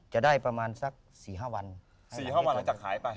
จะได้ประมาณสักสี่ห้าวันสี่ห้าวันแล้วจากหายไป